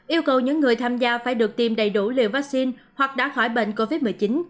yêu cầu những người tham gia phải được tiêm đầy đủ liều vaccine hoặc đã khỏi bệnh covid một mươi chín